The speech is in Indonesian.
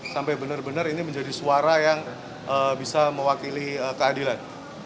sampai benar benar ini menjadi suara yang bisa mewakili keadilan